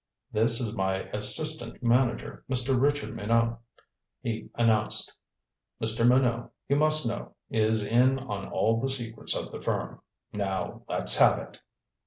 "This is my assistant manager, Mr. Richard Minot," he announced. "Mr. Minot, you must know, is in on all the secrets of the firm. Now, let's have it."